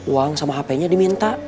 uang sama hp nya diminta